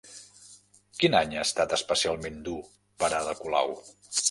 Quin any ha estat especialment dur per Ada Colau?